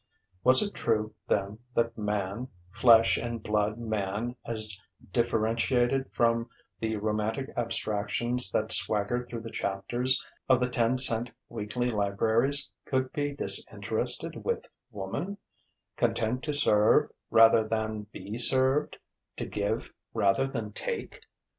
Was it true, then, that Man flesh and blood Man as differentiated from the romantic abstractions that swaggered through the chapters of the ten cent weekly libraries could be disinterested with Woman, content to serve rather than be served, to give rather than take?